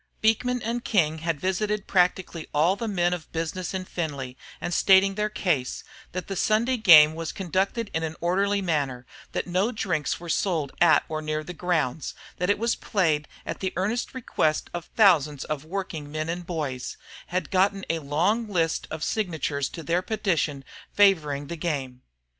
Beekman and King had visited practically all the men of business in Findlay and stating their case, that the Sunday game was conducted in an orderly manner, that no drinks were sold at or near the grounds, that it was played at the earnest request of thousands of working men and boys, had gotten a long list of signatures to their petition favoring the game.